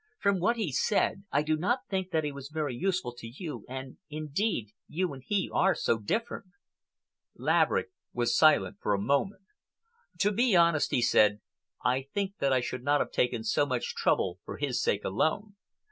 "From what he said, I do not think that he was very useful to you, and, indeed, you and he are so different." Laverick was silent for a moment. "To be honest," he said, "I think that I should not have taken so much trouble for his sake alone.